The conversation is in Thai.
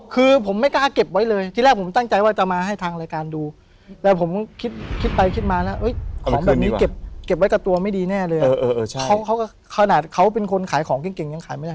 คือผมไม่กล้าเก็บไว้เลยที่แรกผมตั้งใจว่าจะมาให้ทางรายการดูแล้วผมคิดไปคิดมาแล้วเอ้ยของแบบนี้เก็บไว้กับตัวไม่ดีแน่เลย